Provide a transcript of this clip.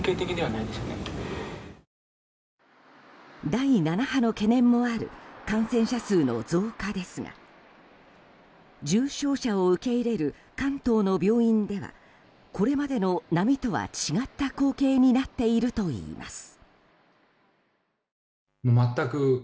第７波の懸念もある感染者数の増加ですが重症者を受け入れる関東の病院ではこれまでの波とは違った光景になっているといいます。